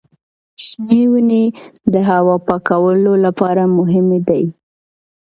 شنې ونې د هوا پاکولو لپاره مهمې دي.